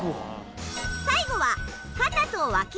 最後は。